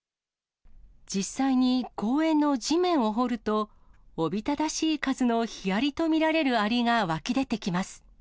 実際に公園の地面を掘ると、おびただしい数のヒアリと見られるアリが湧き出てきます。